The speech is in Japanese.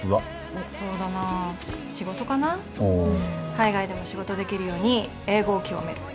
海外でも仕事できるように英語をきわめる。